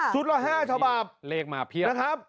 ชุดละ๕ฉบับนะครับคือเลขมาเพียบ